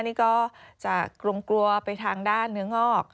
นี่ก็จะกลมกลัวไปทางด้านเนื้องอก